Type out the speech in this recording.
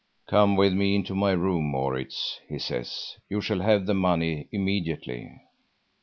"Come with me into my room, Maurits," he says; "you shall have the money immediately."